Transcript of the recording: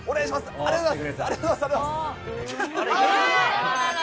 ありがとうございます。